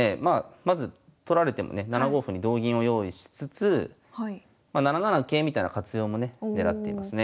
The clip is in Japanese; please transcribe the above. まず取られてもね７五歩に同銀を用意しつつまあ７七桂みたいな活用もねねらっていますね。